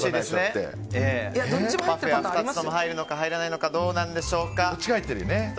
パフェは２つとも入るのか入らないのかどうなんでしょうか。